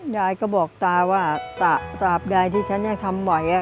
ยายก็บอกตาว่าตาบยายที่ฉันทำไหว